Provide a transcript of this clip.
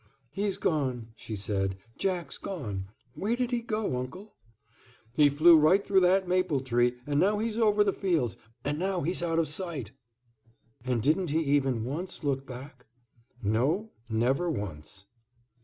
"He's gone," she said, "Jack's gone. Where did he go, Uncle?" "He flew right through that maple tree, and now he's over the fields, and now he's out of sight." "And didn't he even once look back?" "No, never once."